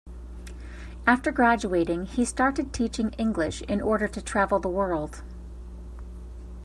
After graduating he started teaching English in order to travel the world.